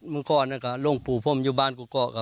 เหรอคะล่วงปู่คุมอยู่บ้านกุ๊กก่อนค่ะ